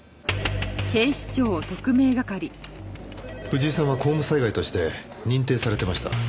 藤井さんは公務災害として認定されてました。